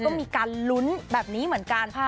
ก็มีการลุ้นแบบนี้เหมือนกัน